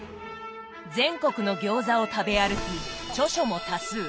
全国の餃子を食べ歩き著書も多数！